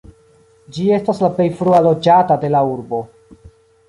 Ĝi estas la plej frua loĝata de la urbo.